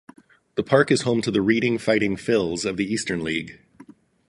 The park is home to the Reading Fightin Phils of the Eastern League.